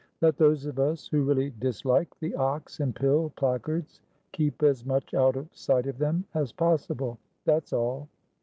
Let those of us who really dislike the ox and pill placards, keep as much out of sight of them as possible, that's all.